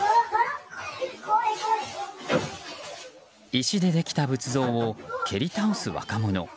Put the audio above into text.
石でできた仏像を蹴り倒す若者。